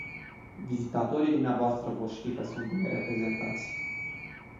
Vizitatorii dvs. vor ști că sunt bine reprezentați.